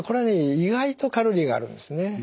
意外とカロリーがあるんですね。